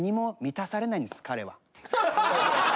彼は。